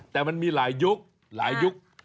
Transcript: แต่มันมีหลายยุคหลายยุค